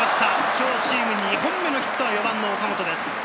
今日チーム２本目のヒットは４番の岡本です。